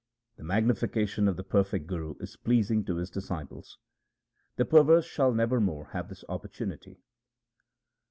The magnification of the perfect Guru is pleasing to his disciples ; the perverse shall never more have this oppor tunity.